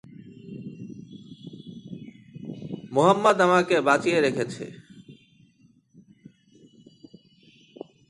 মুহাম্মাদ আমাকে মেরে ফেলেছে।